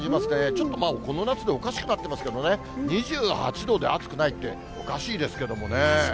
ちょっとこの夏でおかしくなってますけどね、２８度で暑くないって、おかしいですけれどもね。